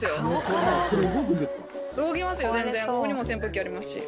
ここにも扇風機ありますし。